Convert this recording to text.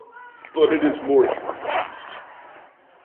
But it is more confused.